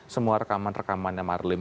semua rekaman rekamannya marlim